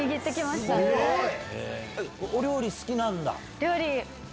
すごい。お料理好きなんだ？